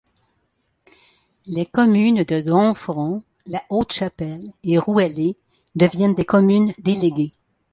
Les communes de Domfront, La Haute-Chapelle et Rouellé deviennent des communes déléguées.